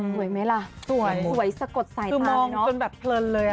สวยไหมล่ะสวยสะกดสายตาเลยนะคือมองจนแบบเพลินเลย